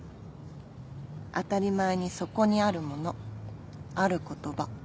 当たり前にそこにあるものある言葉